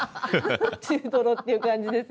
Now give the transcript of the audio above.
中トロっていう感じです。